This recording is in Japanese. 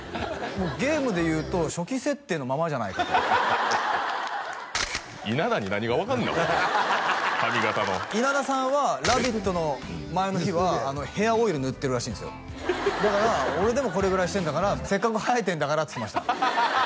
ゲームで言うと初期設定のままじゃないかと稲田に何が分かるねん髪形の稲田さんは「ラヴィット！」の前の日はヘアオイル塗ってるらしいんですよだから俺でもこれぐらいしてんだからせっかく生えてんだからっつってました